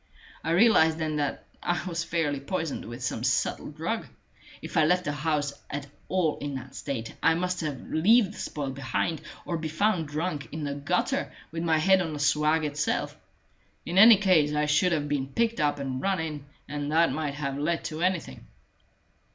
I realized then that I was fairly poisoned with some subtle drug. If I left the house at all in that state, I must leave the spoil behind, or be found drunk in the gutter with my head on the swag itself. In any case I should have been picked up and run in, and that might have led to anything."